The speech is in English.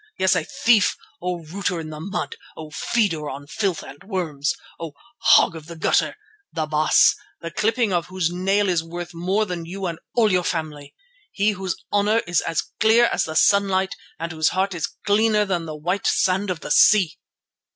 Yes, a thief, O Rooter in the mud, O Feeder on filth and worms, O Hog of the gutter—the Baas, the clipping of whose nail is worth more than you and all your family, he whose honour is as clear as the sunlight and whose heart is cleaner than the white sand of the sea."